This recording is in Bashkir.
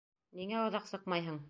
Ниңә оҙаҡ сыҡмайһың?